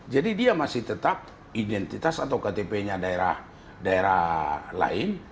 jadi dia masih tetap identitas atau ktp nya daerah lain